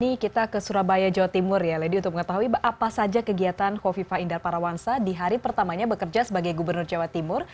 ini kita ke surabaya jawa timur ya lady untuk mengetahui apa saja kegiatan kofifa indar parawansa di hari pertamanya bekerja sebagai gubernur jawa timur